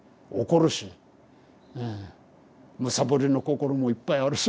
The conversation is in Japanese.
むさぼりの心もいっぱいあるし。